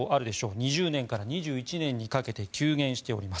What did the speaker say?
２０年から２１年にかけて急減しております。